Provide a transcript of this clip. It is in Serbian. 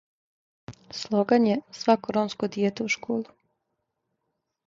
Слоган је "Свако ромско дијете у школу".